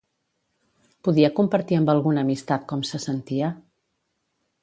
Podia compartir amb alguna amistat com se sentia?